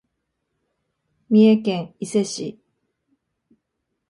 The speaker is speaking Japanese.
三重県伊勢市